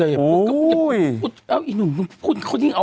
เป็นการกระตุ้นการไหลเวียนของเลือด